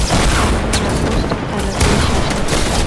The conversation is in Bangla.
একটা ল্যাম্পপোস্টে হেলান দিয়ে শ্বাস নিচ্ছিলাম।